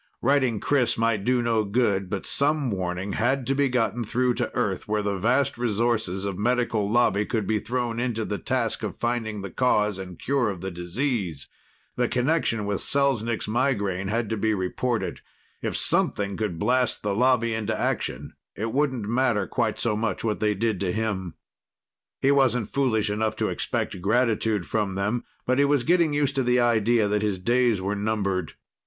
Writing Chris might do no good, but some warning had to be gotten through to Earth, where the vast resources of Medical Lobby could be thrown into the task of finding the cause and cure of the disease. The connection with Selznik's migraine had to be reported. If something could blast the Lobby into action, it wouldn't matter quite so much what they did to him. He wasn't foolish enough to expect gratitude from them, but he was getting used to the idea that his days were numbered.